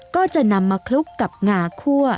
ก็จะนำมาคลุกกับงาคั่ว